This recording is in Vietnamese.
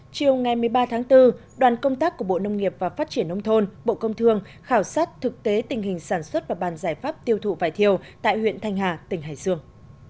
chiều ngày một mươi ba tháng bốn đoàn công tác của bộ nông nghiệp và phát triển nông thôn bộ công thương khảo sát thực tế tình hình sản xuất và bàn giải pháp tiêu thụ vải thiều tại huyện thanh hà tỉnh hải dương